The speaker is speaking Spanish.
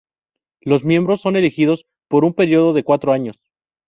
Los miembros son elegidos por un periodo de cuatro años.